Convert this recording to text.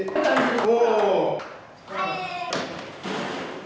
おお。